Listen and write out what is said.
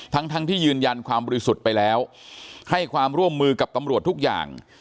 ทั้งทั้งที่ยืนยันความบริสุทธิ์ไปแล้วให้ความร่วมมือกับตำรวจทุกอย่าง